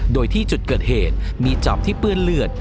โดยที่จุดเกิดเหตุมีจอบที่เปื้อนเลือด